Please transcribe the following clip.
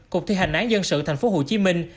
cục thi hành án dân sự thành phố hồ chí minh